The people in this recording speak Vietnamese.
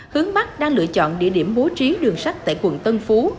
hướng mắt đang lựa chọn địa điểm bố trí đường sách tại quận tân phú